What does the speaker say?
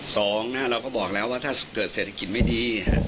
สองนะเราก็บอกแล้วว่าถ้าเกิดเศรษฐกิจไม่ดี